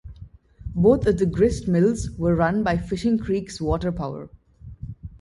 Both of the gristmills were run by Fishing Creek's water power.